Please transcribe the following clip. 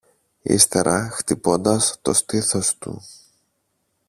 Ύστερα χτυπώντας το στήθος του